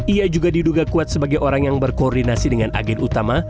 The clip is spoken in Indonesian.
ia juga diduga kuat sebagai orang yang berkoordinasi dengan agen utama